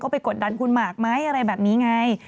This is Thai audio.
ก็ไปกดดันคุณมากมั้ยอะไรแบบนี้ไง